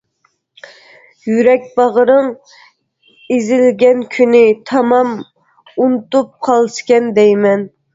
يۈرەك باغرىڭ ئېزىلگەن كۈننى، تامام ئۇنتۇپ قالسىكەن دەيمەن.